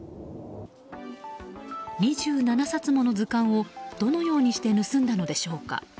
２７冊もの図鑑をどのようにして盗んだのでしょうか。